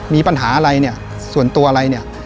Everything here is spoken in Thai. มีปัญหาอะไรเนี่ยส่วนตัวอะไรเนี่ย